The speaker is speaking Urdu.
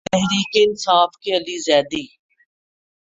تحریک انصاف کے علی زیدی